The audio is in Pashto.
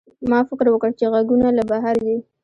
ما فکر وکړ چې غږونه له بهر دي.